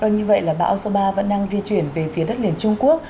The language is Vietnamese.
như vậy là bão số ba vẫn đang di chuyển về phía đất liền trung quốc